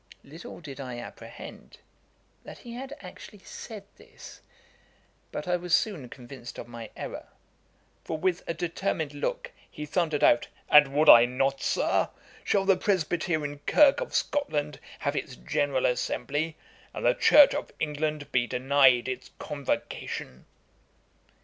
Little did I apprehend that he had actually said this: but I was soon convinced of my errour; for, with a determined look, he thundered out 'And would I not, Sir? Shall the Presbyterian Kirk of Scotland have its General Assembly, and the Church of England be denied its Convocation?'